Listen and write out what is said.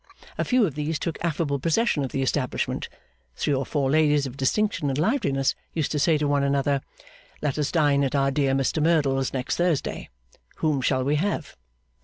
A few of these took affable possession of the establishment. Three or four ladies of distinction and liveliness used to say to one another, 'Let us dine at our dear Merdle's next Thursday. Whom shall we have?